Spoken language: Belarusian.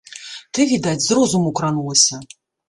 Ты, відаць, з розуму кранулася.